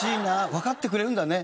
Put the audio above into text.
わかってくれるんだね。